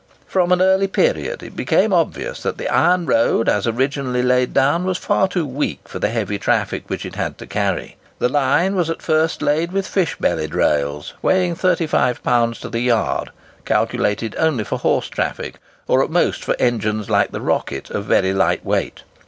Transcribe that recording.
From an early period it became obvious that the iron road as originally laid down was far too weak for the heavy traffic which it had to carry. The line was at first laid with fish bellied rails weighing thirty five pounds to the yard, calculated only for horse traffic, or, at most, for engines like the "Rocket," of very light weight.